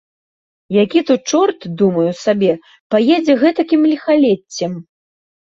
Які тут чорт, думаю сабе, паедзе гэтакім ліхалеццем.